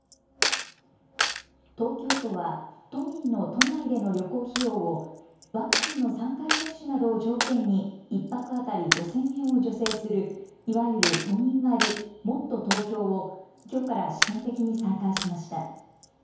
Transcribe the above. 東京都は都民の都内での旅行費用をワクチンの３回接種などを条件に１泊当たり５０００円を助成するいわゆる都民割、もっとＴｏｋｙｏをきょうから試験的に再開しました。